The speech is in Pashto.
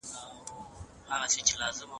موږ باید د خپلي پوهني لپاره هره ورځ لولي وکړو.